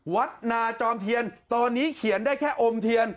วัดนาจอมเทียนตอนนี้เขียนได้แค่อมเทียน